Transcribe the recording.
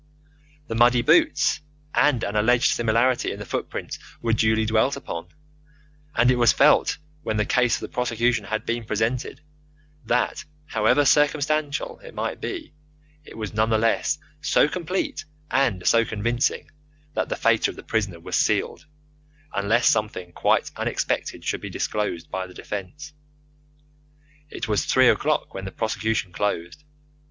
The muddy boots and an alleged similarity in the footprints were duly dwelt upon, and it was felt when the case for the prosecution had been presented that, however circumstantial it might be, it was none the less so complete and so convincing, that the fate of the prisoner was sealed, unless something quite unexpected should be disclosed by the defence. It was three o'clock when the prosecution closed.